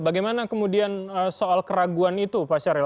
bagaimana kemudian soal keraguan itu pak syahril